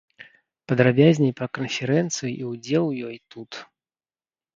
Падрабязней пра канферэнцыю і ўдзел у ёй тут.